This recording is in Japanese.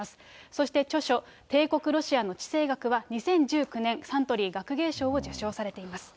そして、著書、帝国ロシアの地政学は、２０１９年、サントリー学芸賞を受賞されています。